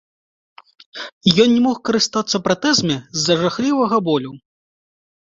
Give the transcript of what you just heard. Ён не мог карыстацца пратэзамі з-за жахлівага болю.